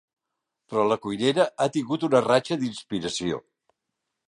Però la cuinera ha tingut una ratxa d'inspiració.